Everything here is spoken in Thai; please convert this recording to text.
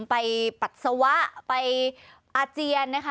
ปัสสาวะไปอาเจียนนะคะ